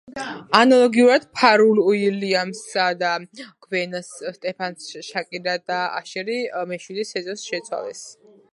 ანალოგიურად, ფარელ უილიამსმა და გვენ სტეფანიმ შაკირა და აშერი მეშვიდე სეზონში შეცვალეს.